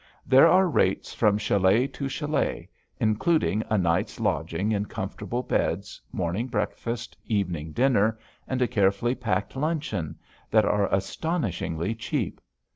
There are rates from chalet to chalet including a night's lodging in comfortable beds, morning breakfast, evening dinner, and a carefully packed luncheon that are astonishingly cheap.